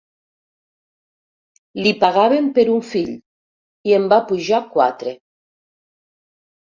Li pagaven per un fill i en va pujar quatre.